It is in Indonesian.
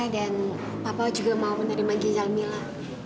papa juga mau menerima gizal mila